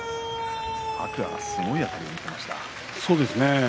天空海が、すごいあたりをそうですね。